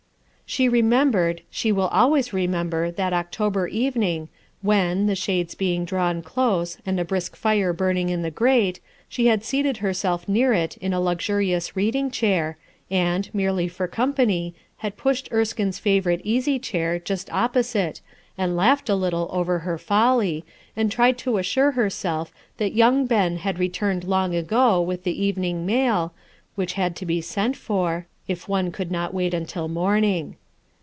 She remembered — she will always remember that October evening when, the shades being drawn close and a brisk fire burning in the grate, she had seated herself near it in a luxurious read ing chair and, merely for company, had pushed Erskine's favorite easy chair just opposite and laughed a little at her folly, and tried to assure herself that young Ben had returned long ago with the evening mail, which had to be sent for, 108 miTII ERSKINE'S SON if one could not wait until morning.